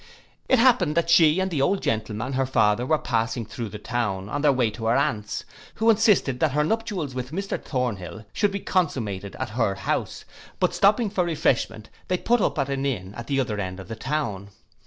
It happened that she and the old gentleman her father were passing through the town, on their way to her aunt's, who had insisted that her nuptials with Mr Thornhill should be consummated at her house; but stopping for refreshment, they put up at an inn at the other end of the town.